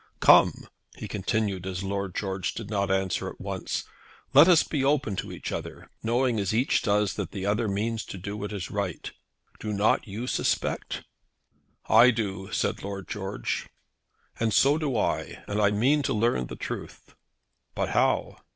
Come," he continued, as Lord George did not answer at once; "let us be open to each other, knowing as each does that the other means to do what is right. Do not you suspect?" "I do," said Lord George. "And so do I. And I mean to learn the truth." "But how?"